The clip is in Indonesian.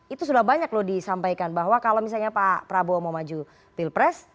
itu sudah banyak loh disampaikan bahwa kalau misalnya pak prabowo mau maju pilpres